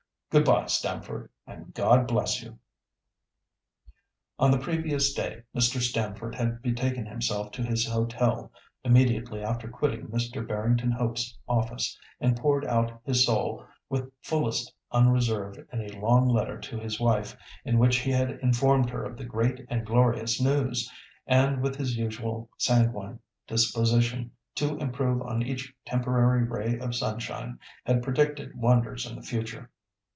Good bye, Stamford, and God bless you!" On the previous day Mr. Stamford had betaken himself to his hotel immediately after quitting Mr. Barrington Hope's office, and poured out his soul with fullest unreserve in a long letter to his wife, in which he had informed her of the great and glorious news, and with his usual sanguine disposition to improve on each temporary ray of sunshine, had predicted wonders in the future.